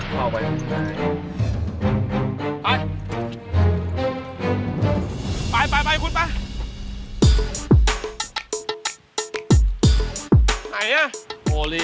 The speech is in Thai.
เข้าไป